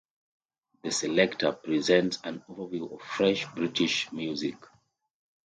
"The Selector" presents an overview of fresh British music.